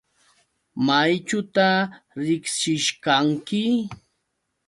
¿Mayćhuta riqsishqanki?